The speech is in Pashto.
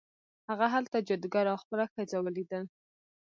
هغه هلته جادوګر او خپله ښځه ولیدل.